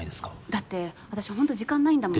だって私ほんと時間ないんだもん。